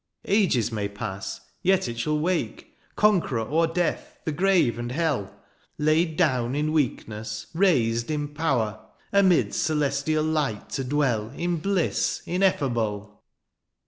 ^^ Ages may pass, yet it shall wake, " Conqueror o^er death, the grave, and hell !^^ Laid down in weakness, raised in power, ^' Amid celestial light to dwell '' In bliss ineffable